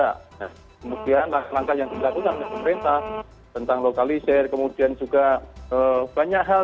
kemudian langkah yang dilakukan oleh pemerintah tentang lokalisir kemudian juga banyak hal